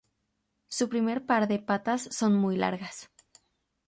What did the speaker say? Su primer par de patas son muy largas.